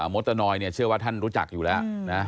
มทนเชื่อว่าท่านรู้จักอยู่แล้ว